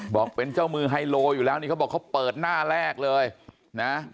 บอกเป็นเจ้ามือไฮโลอยู่แล้วนี่เขาบอกเขาเปิดหน้าแรกเลยนะ